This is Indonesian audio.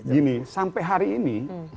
gini sampai hari ini